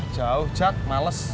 jauh cat males